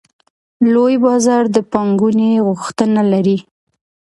لوی بازار د پانګونې غوښتنه لري.